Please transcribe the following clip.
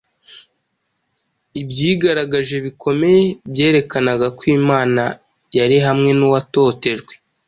Ibyigaragaje bikomeye byerekanaga ko Imana yari hamwe n’uwatotejwe